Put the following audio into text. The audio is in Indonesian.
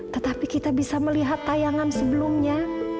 tetapi kita bisa melihat tayangan sebelumnya